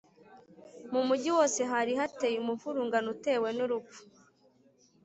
Mu mugi wose hari hateye umuvurungano utewe n urupfu